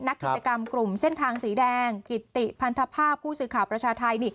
นักกิจกรรมกลุ่มเส้นทางสีแดงกิติพันธภาพผู้สื่อข่าวประชาไทย